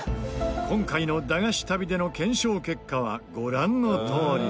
今回の駄菓子旅での検証結果はご覧のとおり。